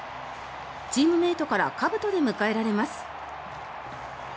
チームメートからかぶとで迎えられます。